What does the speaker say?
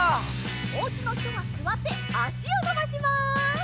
おうちのひとはすわってあしをのばします。